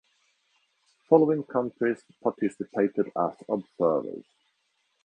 Following countries participated as observers.